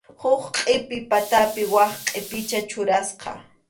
Huk qʼipi patapi wak qʼipicha churasqa.